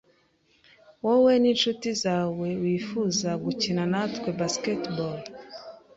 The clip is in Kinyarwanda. Wowe ninshuti zawe wifuza gukina natwe basketball?